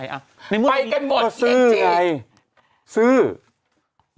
ไปกันหมดอีนเวงจี๊แล้วก็ซื้อาไงซื้อ